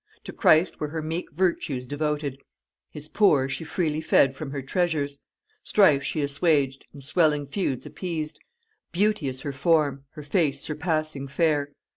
To Christ were her meek virtues devoted: His poor she freely fed from her treasures; Strife she assuaged, and swelling feuds appeased; Beauteous her form, her face surpassing fair.